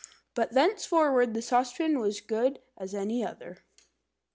But thenceforward the saucepan was as good as any other.